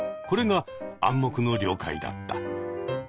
これが暗黙の了解だった。